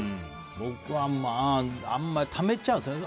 僕はあんまりためちゃうんですよね。